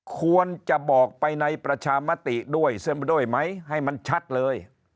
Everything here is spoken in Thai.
ควรจะบอกไปในประชามติด้วยไหมให้มันชัดเลย